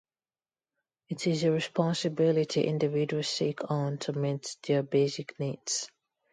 It is a responsibility individuals take on to meet their basic needs.